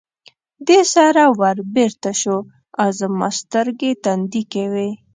دې سره ور بېرته شو، زما سترګې تندې کې وې.